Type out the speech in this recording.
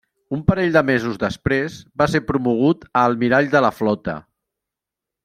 Un parell de mesos després va ser promogut a Almirall de la Flota.